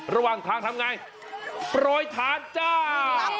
ระหว่างทางทำไงปล่อยทานจ้า